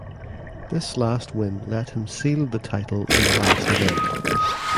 This last win let him seal the title in the last event.